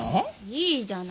いいじゃない。